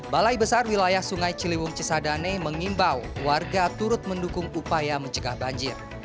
balai besar wilayah sungai ciliwung cisadane mengimbau warga turut mendukung upaya mencegah banjir